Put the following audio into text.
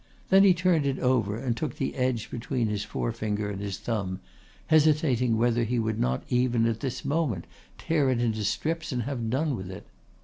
Then he turned it over and took the edge between his forefinger and his thumb, hesitating whether he would not even at this moment tear it into strips and have done with it.